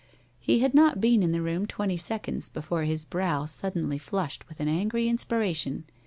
He had not been in the room twenty seconds before his brow suddenly flushed with an angry inspiration.